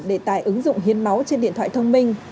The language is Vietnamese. để tải ứng dụng hiến máu trên điện thoại thông minh